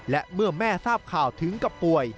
และเมื่อแม่ทราบข่าวถึงกับป่วย